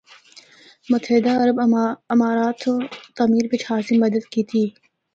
متحدہ عرب امارات سنڑ تعمیر بچ خاصی مدد کیتی۔